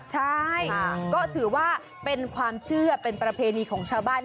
ใช่ก็ถือว่าเป็นความเชื่อเป็นประเพณีของชาวบ้าน